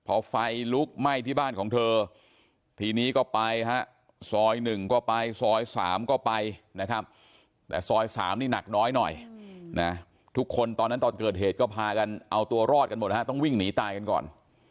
พอไฟลุกไหม้ที่บ้านของเธอทีนี้ก็ไปฮะซอย๑ก็ไปซอย๓ก็ไปนะครับแต่ซอย๓นี่หนักน้อยหน่อยนะทุกคนตอนนั้นตอนเกิดเหตุก็พากันเอาตัวรอดกันหมดฮะต้องวิ่งหนีตายกันก่อน